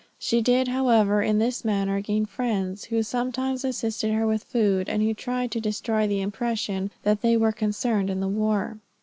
She did however in this manner gain friends, who sometimes assisted her with food, and who tried to destroy the impression that they were concerned in the war.